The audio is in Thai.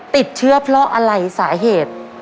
ติดเชื้อเพราะอะไรสาเหตุ